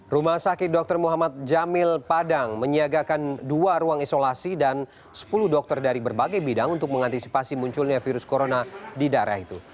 rumah sakit dr muhammad jamil padang menyiagakan dua ruang isolasi dan sepuluh dokter dari berbagai bidang untuk mengantisipasi munculnya virus corona di daerah itu